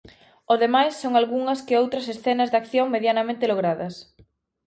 O demais son algunhas que outras escenas de acción medianamente logradas.